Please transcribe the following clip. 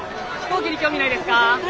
飛行機に興味ないですか？